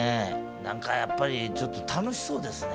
何かやっぱりちょっと楽しそうですね。